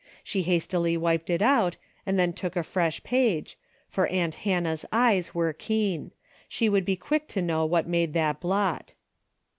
She hastily wiped it out, and then took a fresh page, for aunt Hannah's eyes were keen. She would be quick to know what made that blot.